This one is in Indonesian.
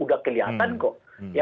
sudah kelihatan kok